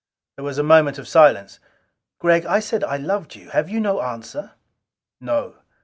There was a moment of silence. "Gregg, I said I loved you. Have you no answer?" "No."